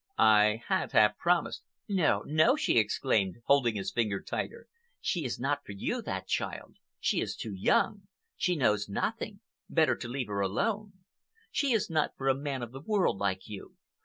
"I had half promised—" "No, no!" she exclaimed, holding his hand tighter. "She is not for you—that child. She is too young. She knows nothing. Better to leave her alone. She is not for a man of the world like you.